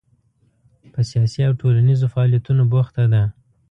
په سیاسي او ټولنیزو فعالیتونو بوخته ده.